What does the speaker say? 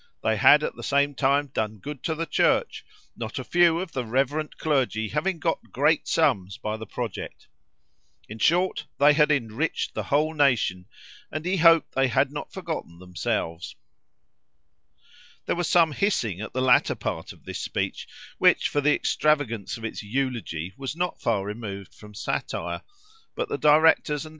They had at the same time done good to the Church, not a few of the reverend clergy having got great sums by the project. In short, they had enriched the whole nation, and he hoped they had not forgotten themselves. There was some hissing at the latter part of this speech, which for the extravagance of its eulogy was not far removed from satire; but the directors and their friends, and all the winners in the room, applauded vehemently.